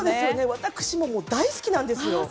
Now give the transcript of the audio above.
私も大好きなんですよ。